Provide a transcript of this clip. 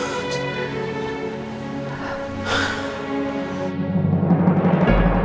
kondisi adik kritis pak